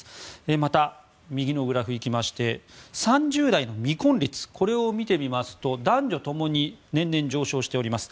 また右のグラフですが３０代の未婚率を見てみますと男女共に年々、上昇しております。